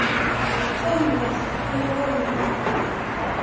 Tanemmirt i uɛiwen-nwen.